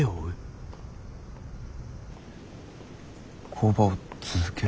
工場を続ける？